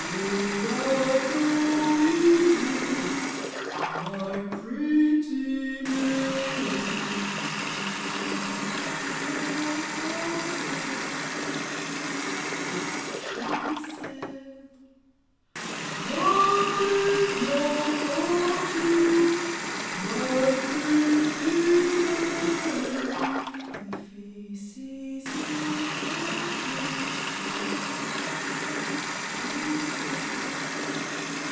May I go with you, my pretty maid? You're kindly welcome, sir, she said. What is your fortune, my pretty maid? My face is my fortune, sir, she said.